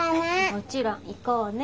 もちろん行こうね。